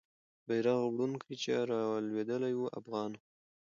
بیرغ وړونکی چې رالوېدلی وو، افغان وو.